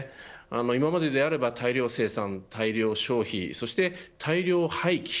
今までであれば大量生産、大量消費そして大量廃棄。